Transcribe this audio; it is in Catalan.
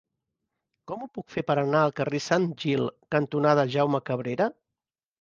Com ho puc fer per anar al carrer Sant Gil cantonada Jaume Cabrera?